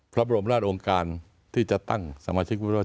พระบรมราชองค์การที่จะตั้งสมาชิกวุฒิ